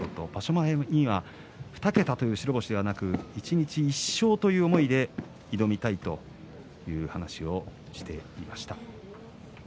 前には２桁という白星ではなく一日１勝という思いで挑みたいという話をしていました。